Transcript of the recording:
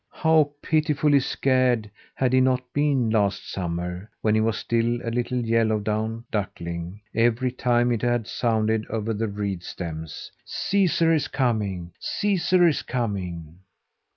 How pitifully scared had he not been last summer, when he was still a little yellow down duckling, every time it had sounded over the reed stems: "Caesar is coming! Caesar is coming!"